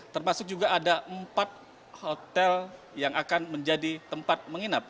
termasuk juga ada empat hotel yang akan menjadi tempat menginap